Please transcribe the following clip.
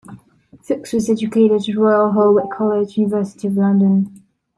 Fookes was educated at Royal Holloway College, University of London.